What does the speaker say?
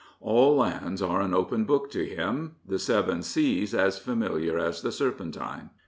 All lands are an open book to him ; the Seven Seas as familiar as the Serpentine.